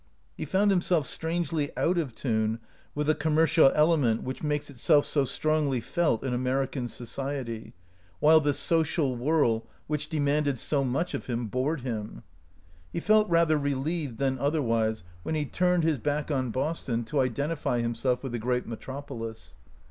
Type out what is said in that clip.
He found himself strangely out of tune with the commercial element which makes itself so strongly felt in American society, while the social whirl, 205 OUT OF BOHEMIA which demanded so much of his time, bored him. He felt rather relieved than otherwise when he turned his back on Boston to iden tify himself with the great metropolis.